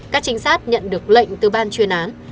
các trinh sát nhận được lệnh từ ban chuyên án